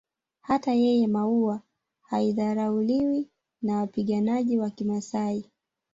Hata yenye maua haidharauliwi na wapiganaji wa kimasai